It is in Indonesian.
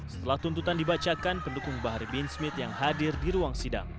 setelah tuntutan dibacakan pendukung bahar bin smith yang hadir di ruang sidang